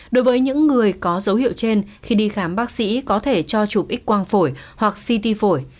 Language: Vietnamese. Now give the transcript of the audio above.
đối với những người có dấu hiệu trên khi đi khám bác sĩ có thể cho chụp x quang phổi hoặc city phổi